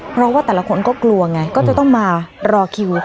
เพราะว่าแต่ละคนก็กลัวไงก็จะต้องมารอคิว